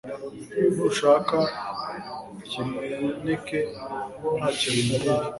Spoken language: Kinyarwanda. Nushaka kimeneke ntacyo bimbwiye